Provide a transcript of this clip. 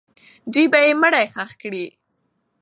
دوی به یې مړی ښخ کړي.